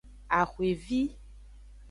Axwevi.